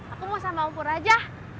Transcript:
aku mau sambal mpura aja